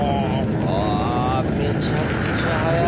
あめちゃくちゃ速い。